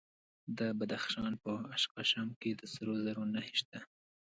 د بدخشان په اشکاشم کې د سرو زرو نښې شته.